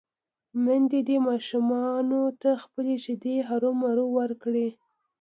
ميندې دې ماشومانو ته خپلې شېدې هرومرو ورکوي